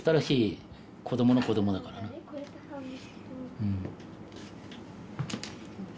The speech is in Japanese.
うん。